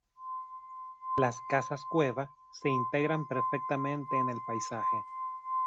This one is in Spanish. Las casas-cueva se integran perfectamente en el paisaje.